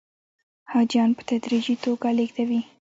حاجیان په تدریجي توګه لېږدوي.